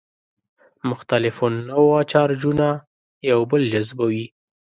مختلف النوع چارجونه یو بل جذبوي.